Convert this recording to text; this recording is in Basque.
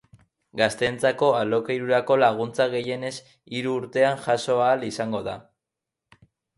Gazteentzako alokairurako laguntza gehienez hiru urtean jaso ahal izango da.